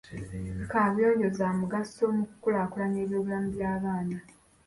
Kaabuyonjo za mugaso mu kukulaakulanya ebyobulamu by'abaana.